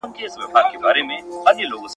زما یاغي وزري ستا زندان کله منلای سي `